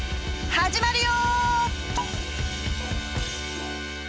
始まるよ！